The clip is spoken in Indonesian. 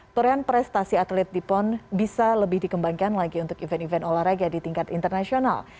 torehan prestasi atlet di pon bisa lebih dikembangkan lagi untuk event event olahraga di tingkat internasional